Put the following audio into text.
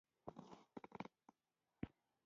د هندوستان د خلکو هغه وخت یو دود و.